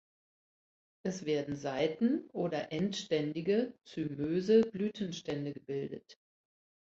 Es werden seiten- oder endständige, zymöse Blütenstände gebildet.